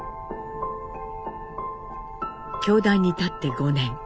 教壇に立って５年。